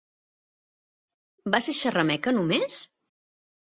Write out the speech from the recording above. Va ser xerrameca només?